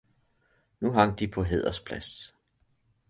Nu hang de på hædersplads.